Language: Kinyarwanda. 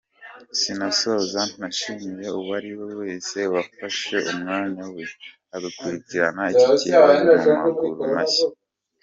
sinasoza ntashimiye uwariwe wese wafashe umwanya we agakurikirana iki kibazo mumaguru mashya.